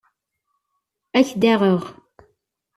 Ad k-id-aɣeɣ.